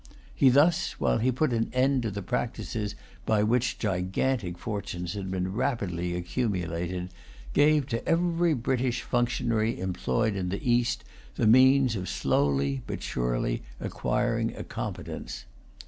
He thus, while he put an end to the practices by which gigantic fortunes had been rapidly accumulated, gave to every British functionary employed in the East the means of slowly, but surely, acquiring a competence.